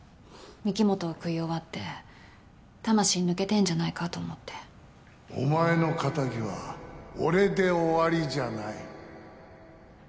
御木本を喰い終わって魂抜けてんじゃないかと思ってお前の敵は俺で終わりじゃない